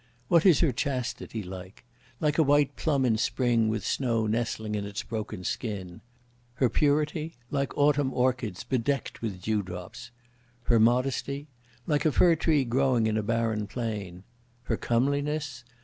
What is her chastity like? Like a white plum in spring with snow nestling in its broken skin; Her purity? Like autumn orchids bedecked with dewdrops. Her modesty? Like a fir tree growing in a barren plain; Her comeliness?